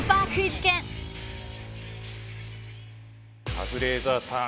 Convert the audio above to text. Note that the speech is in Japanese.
カズレーザーさん